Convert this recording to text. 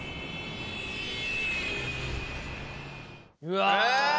うわ！